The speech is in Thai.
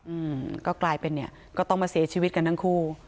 อืมก็กลายเป็นเนี่ยก็ต้องมาเสียชีวิตกันทั้งคู่